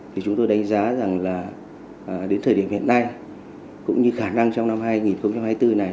thì chúng tôi đánh giá rằng là đến thời điểm hiện nay cũng như khả năng trong năm hai nghìn hai mươi bốn này